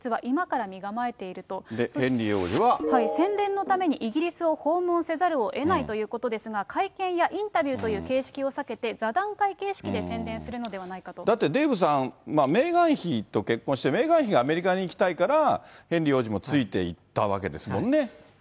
宣伝のためにイギリスを訪問せざるをえないということですが、会見やインタビューという形式を避けて、座談会形式で宣伝するのだってデーブさん、メーガン妃と結婚して、メーガン妃がアメリカに行きたいから、ヘンリー王子もついていったわけですもんね。